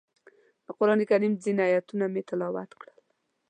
د قرانکریم ځینې ایتونه مې تلاوت کړل.